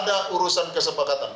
tidak ada urusan kesepakatan